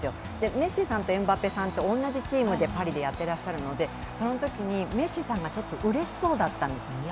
メッシさんとエムバペさんって同じチームでパリでやっていらっしゃるのでそのときにメッシさんが、ちょっとうれしそうだったんですよね。